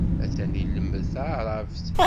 Atan ilemmed taɛrabt.